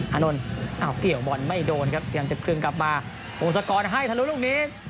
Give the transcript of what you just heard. อานนท์อ้าวเกี่ยวบอลไม่โดนครับพยายามจะคลึงกลับมาวงศกรให้ทะลุลูกนี้